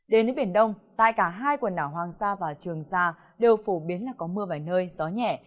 đến với biển đông tại cả hai quần đảo hoàng sa và trường sa đều phổ biến là có mưa vài nơi gió nhẹ